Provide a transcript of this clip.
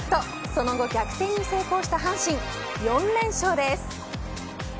その後逆転に成功した阪神４連勝です。